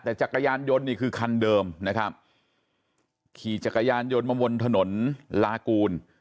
แต่จักรยานยนต์นี่คือคันเดิมนะครับขี่จักรยานยนต์มาบนถนนลากูล